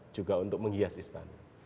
juga untuk menghias istana